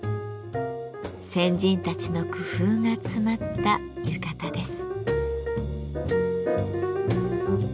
先人たちの工夫が詰まった浴衣です。